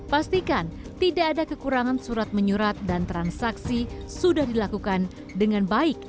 pastikan tidak ada kekurangan surat menyurat dan transaksi sudah dilakukan dengan baik